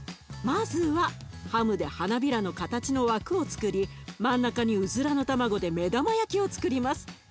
まずはハムで花びらの形の枠をつくり真ん中にウズラの卵で目玉焼きをつくります。